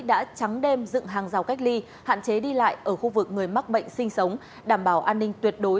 đã trắng đêm dựng hàng rào cách ly hạn chế đi lại ở khu vực người mắc bệnh sinh sống đảm bảo an ninh tuyệt đối